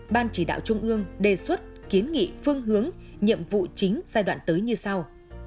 ban chỉ đạo trung ương đề xuất kiến nghị phương hướng nhiệm vụ chính giai đoạn tới như sau